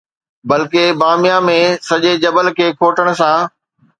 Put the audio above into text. بلڪه باميان ۾، سڄي جبل کي کوٽڻ سان